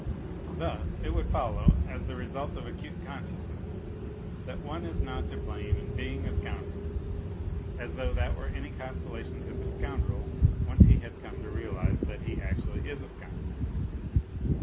Thus it would follow, as the result of acute consciousness, that one is not to NOTES FROM UNDERGROUND 55 blame in being a scoundrel ; as though that were any consolation to the scoundrel once he has come to realize that he actually is a scoundrel.